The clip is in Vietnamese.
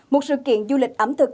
một sự kiện du lịch ẩm thực